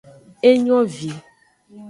Engovi.